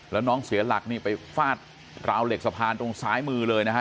แล้วน้องเสียหลักนี่ไปฟาดราวเหล็กสะพานตรงซ้ายมือเลยนะฮะ